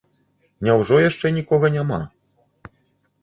Няўжо яшчэ нікога няма?